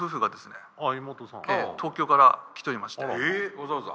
わざわざ？